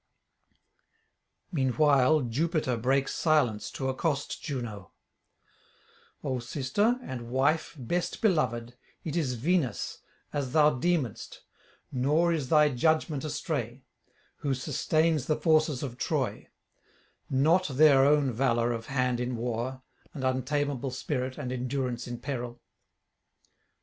Meanwhile Jupiter breaks silence to accost Juno: 'O sister and wife best beloved, it is Venus, as thou deemedst, [609 639]nor is thy judgment astray, who sustains the forces of Troy; not their own valour of hand in war, and untamable spirit and endurance in peril.'